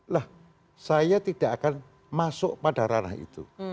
lah saya tidak akan masuk pada ranah itu